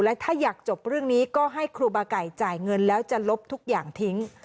และถ้าอยากจบเรื่องนี้ก็ให้ครูบาไก่จ่ายเงินแล้วจะลบทุกอย่างทิ้ง